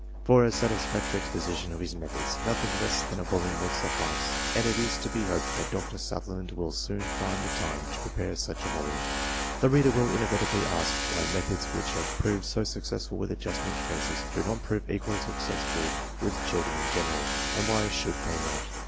For a satisfactory exposition of his methods nothing less than a volume would suffice, and it is to be hoped that Dr. Sutherland will soon find the time to prepare such a volume. The reader will inevitably ask why methods which have proved so successful with adjustment cases should not prove equally suc cessful with children in general. And why should they not?